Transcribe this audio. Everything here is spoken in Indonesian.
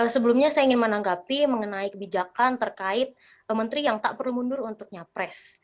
sebelumnya saya ingin menanggapi mengenai kebijakan terkait menteri yang tak perlu mundur untuk nyapres